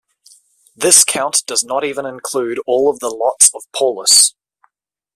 This count does not even include all of the lots of Paulus.